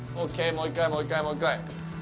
もう一回もう一回もう一回。